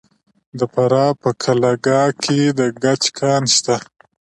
د فراه په قلعه کاه کې د ګچ کان شته.